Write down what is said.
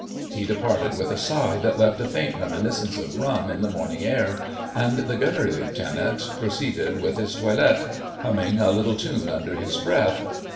He departed with a sigh that left a faint reminiscence of rum in the morning air, and the Gunnery Lieutenant proceeded with his toilet, humming a little tune under his breath.